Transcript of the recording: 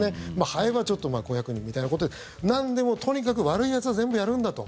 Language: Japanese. ハエは小役人みたいなことでなんでも、とにかく悪いやつは全部やるんだと。